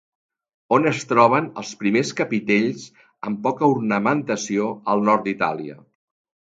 On es troben els primers capitells amb poca ornamentació al nord d'Itàlia?